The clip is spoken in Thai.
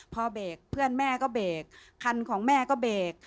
เพื่อนแม่ก็เบกคันของแม่ก็เบก